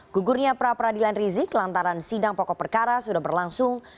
gugurnya pra peradilan rizik lantaran sidang pokok perkara sudah berlangsung